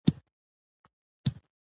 مور د ماشوم د زکام نښې پېژني.